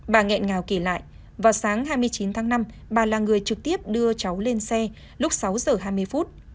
bà nghẹn ngào kể lại vào sáng hai mươi chín tháng năm bà là người trực tiếp đưa cháu lên xe lúc sáu giờ hai mươi phút